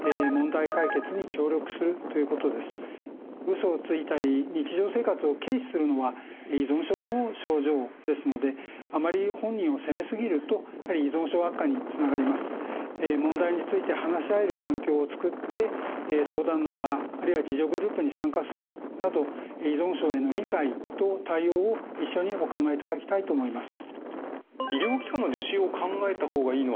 嘘をついたり日常生活を軽視するのは依存症の症状ですのであまり問題について話し合える環境を作って相談の場あるいは自助グループに参加するなど依存症への理解と対応を一緒にお考えいただきたいと思います。